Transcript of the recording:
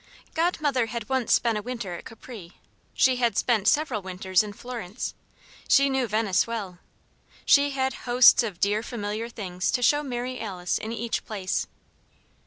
Godmother had once spent a winter at Capri; she had spent several winters in Florence. She knew Venice well. She had hosts of dear, familiar things to show Mary Alice in each place.